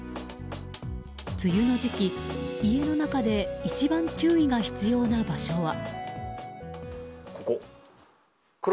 梅雨の時期、家の中で一番注意が必要な場所は。